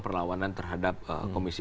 perlawanan terhadap kesejahteraan jadi